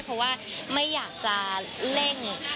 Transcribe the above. เพราะว่าไม่อยากจะเร่ง